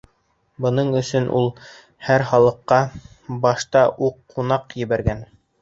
Бының өсөн ул һәр халыҡҡа башта уҡ ҡунаҡ ебәргән.